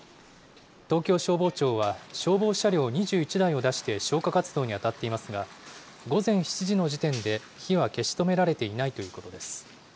東京消防庁は、消防車両２１台を出して消火活動に当たっていますが、午前７時の時点で火は消し止められていないということです。